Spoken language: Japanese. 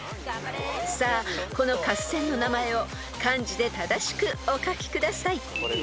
［さあこの合戦の名前を漢字で正しくお書きください］